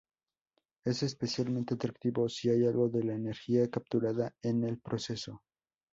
Es especialmente atractivo si hay algo de la energía capturada en el proceso.